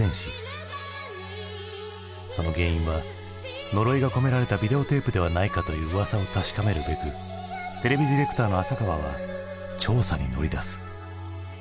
その原因は呪いが込められたビデオテープではないかといううわさを確かめるべくテレビディレクターの浅川は調査に乗り出す。